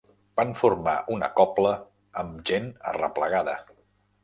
Van formar una cobla amb gent arreplegada.